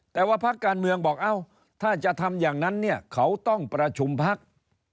แต่ว่าพักการเมืองบอกเอ้าถ้าจะทำอย่างนั้นเนี่ยเขาต้องประชุมพัก